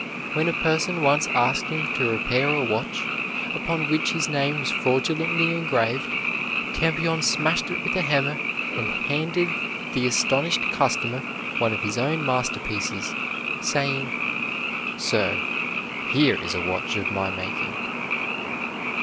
When a person once asked him to repair a watch upon which his name was fraudulently engraved, Tampion smashed it with a hammer, and handed the astonished customer one of his own master pieces, saying, "Sir, here is a watch of my making."